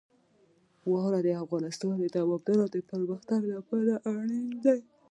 واوره د افغانستان د دوامداره پرمختګ لپاره اړین دي.